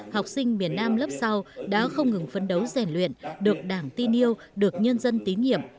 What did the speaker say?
học sinh miền nam lớp sau đã không ngừng phân đấu rẻ nguyện được đảng tin yêu được nhân dân tín nhiệm